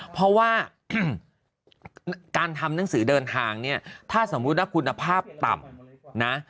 เพราะว่าการทำหนังสือเดินทางเนี่ยถ้าสมมุติว่าคุณภาพต่ำนะ